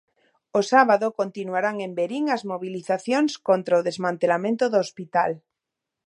O sábado continuarán en Verín as mobilizacións contra o desmantelamento do hospital.